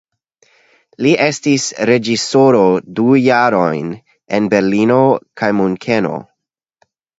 Li estis reĝisoro du jarojn en Berlino kaj Munkeno.